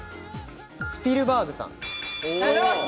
スピルバーグさん。